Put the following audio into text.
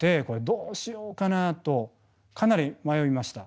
どうしようかなとかなり迷いました。